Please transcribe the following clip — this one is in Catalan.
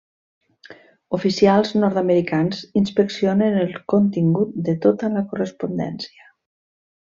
Oficials nord-americans inspeccionen el contingut de tota la correspondència.